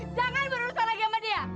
jangan berusaha lagi sama dia